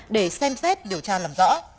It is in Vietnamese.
để xem xét điều tra làm rõ